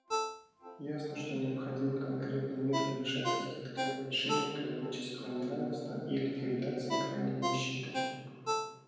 Ясно, что необходимы конкретные меры вмешательства для уменьшения экономического неравенства и ликвидации крайней нищеты.